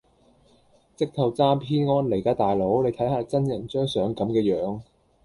直頭詐騙案嚟㗎大佬你睇吓真人張相咁嘅樣